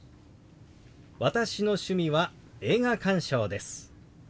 「私の趣味は映画鑑賞です」。